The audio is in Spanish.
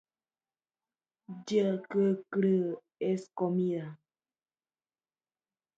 En la zona hay bastantes viñedos.